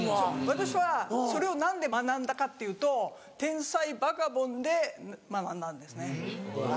私はそれを何で学んだかっていうと『天才バカボン』で学んだんですね。